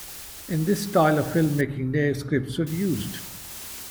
In this style of filmmaking, no scripts are used.